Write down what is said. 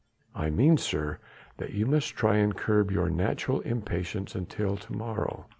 "I mean, sir, that you must try and curb your natural impatience until to morrow."